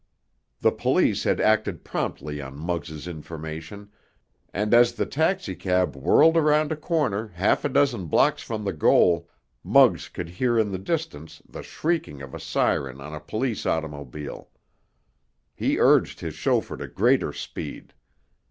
The police had acted promptly on Muggs' information, and as the taxicab whirled around a corner half a dozen blocks from the goal, Muggs could hear in the distance the shrieking of a siren on a police automobile. He urged his chauffeur to greater speed.